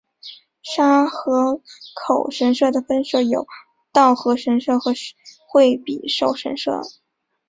沙河口神社的分社有稻荷神社和惠比寿神社。